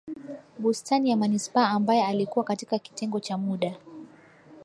Bustani ya Manispaa ambaye alikuwa katika kitengo cha muda